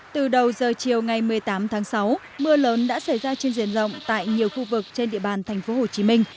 từ đầu giờ chiều ngày một mươi tám tháng sáu mưa lớn đã xảy ra trên diện rộng tại nhiều khu vực trên địa bàn thành phố hồ chí minh